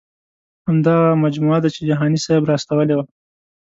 همدغه مجموعه ده چې جهاني صاحب را استولې وه.